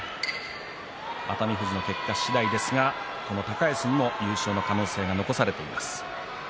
熱海富士の結果次第ですがこの高安にも優勝の可能性が残されています。